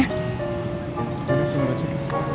terima kasih baca